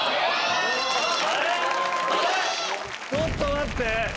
ちょっと待って。